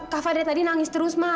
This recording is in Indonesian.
kafa dari tadi nangis terus ma